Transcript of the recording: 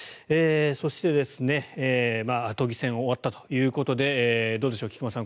そして、都議選が終わったということでどうでしょう、菊間さん